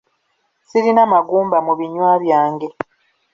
Sirina magumba mu binywa byange.